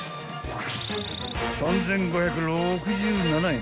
［３，５６７円］